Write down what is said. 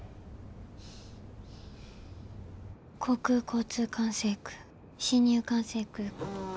航空交通管制区進入管制区。